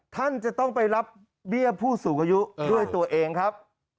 ท่านจะต้องไปรับเบี้ยผู้สูงอายุด้วยตัวเองครับ